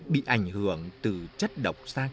bị ảnh hưởng từ đất cát trắng quảng bình này